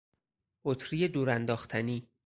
بطری دورانداختنی